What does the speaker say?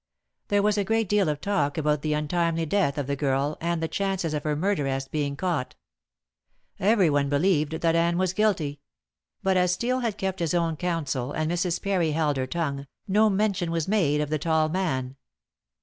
There was a great deal of talk about the untimely death of the girl and the chances of her murderess being caught. Everyone believed that Anne was guilty; but as Steel had kept his own counsel and Mrs. Parry held her tongue, no mention was made of the tall man.